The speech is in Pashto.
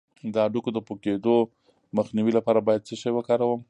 د هډوکو د پوکیدو مخنیوي لپاره باید څه شی وکاروم؟